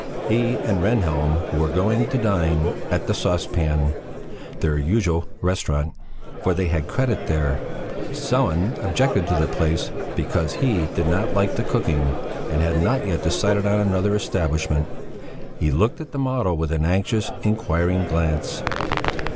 He and Rehnhjelm were going to dine at the "Sauce Pan," their usual restaurant, for they had credit there; Sellén objected to the place because he did not like the cooking, and had not yet decided on another establishment; he looked at the model with an anxious, inquiring glance.